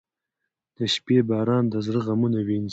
• د شپې باران د زړه غمونه وینځي.